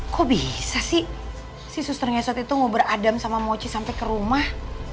kok bisa sih si susternya saat itu ngobrol adam sama mochi sampai ke rumah